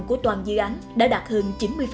của toàn dự án đã đạt hơn chín mươi